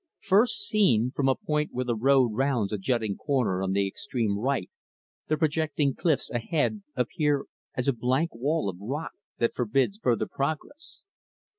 First seen, from a point where the road rounds a jutting corner on the extreme right, the projecting cliffs ahead appear as a blank wall of rock that forbids further progress.